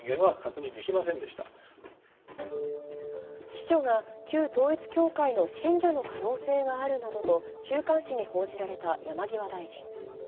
秘書が旧統一教会の信者の可能性があるなどと週刊誌に報じられた山際大臣。